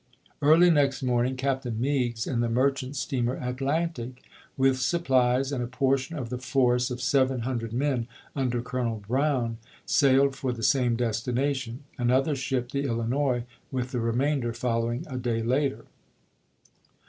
Early next morning Captain Meigs, in the merchant steamer Atlantic, with supplies and a portion of the force of seven hundred men under FOET PICKENS KEENFOECED 7 Colonel Brown, sailed for the same destination ; chap. i. another ship, the Illinois, with the remainder fol ^.^eigs, ^'' Diary. M8. lowing a day later.